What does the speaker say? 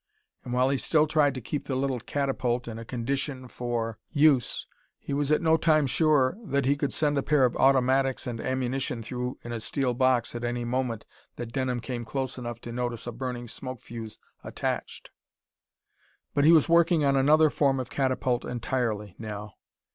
And while he still tried to keep the little catapult in a condition for use, he was at no time sure that he could send a pair of automatics and ammunition through in a steel box at any moment that Denham came close enough to notice a burning smoke fuse attached. But he was working on another form of catapult entirely, now.